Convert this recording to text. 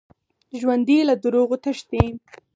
ژوندي له دروغو تښتي